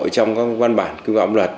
trong các văn bản quy vọng luật